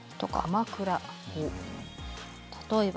例えば。